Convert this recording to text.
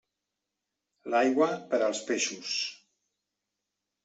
L'aigua, per als peixos.